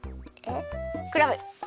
クラム！